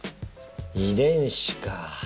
遺伝子か。